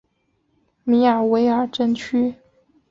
米尔维尔镇区。